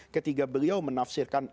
ketika beliau menafsirkan